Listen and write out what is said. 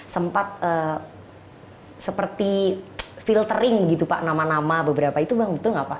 sempat seperti filtering gitu pak nama nama beberapa itu bang betul nggak pak